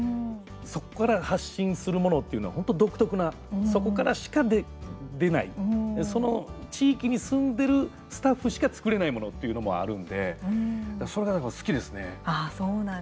そこから発信するものっていうのは本当独特なそこからしか出ないその地域に住んでるスタッフしか作れないものってそうなんですね。